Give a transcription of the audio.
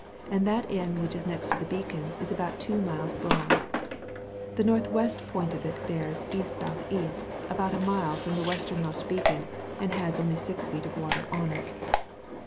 and that end which is next to the beacons is about 2 miles broad : the N.W. point of it bears E.S.E. about a mile from the westernmost beacon, and has only 6 feet water on it ; the N.